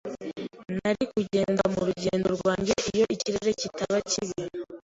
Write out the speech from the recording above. Nari kugenda mu rugendo rwanjye iyo ikirere kitaba kibi.